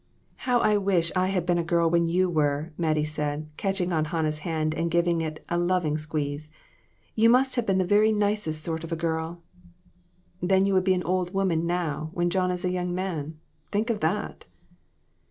" How I wish I had been a girl when you were!" Mattie said, catching Aunt Hannah's hand and giving it a loving squeeze; "you must have been the very nicest sort of a girl." "Then you would be an old woman now, when John is a young man. Think of that